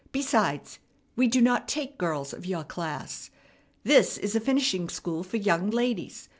Besides, we do not take girls of your class. This is a finishing school for young ladies.